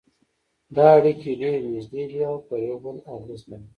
دا اړیکې ډېرې نږدې دي او پر یو بل اغېز لري